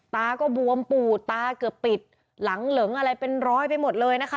ตาก็บวมปูดตาเกือบปิดหลังเหลิงอะไรเป็นร้อยไปหมดเลยนะคะ